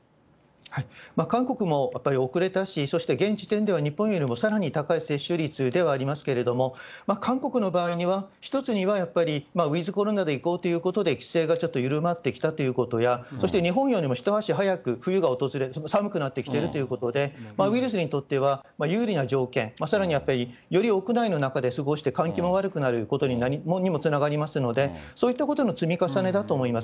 韓国もやっぱり遅れたし、そして現時点では日本よりもさらに高い接種率ではありますけれども、韓国の場合には、１つにはやっぱり、ウィズコロナでいこうということで、規制がちょっと緩まってきたということや、そして、日本よりも一足早く冬が訪れ、寒くなってきているということで、ウイルスにとっては、有利な条件、さらにはより屋内の中で過ごして、換気も悪くなることにもつながりますので、そういったことの積み重ねだと思います。